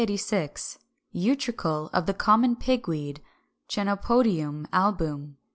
386. Utricle of the common Pigweed (Chenopodium album).